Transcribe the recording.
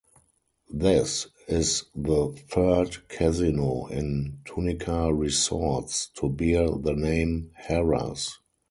This is the third casino in Tunica Resorts to bear the name Harrah's.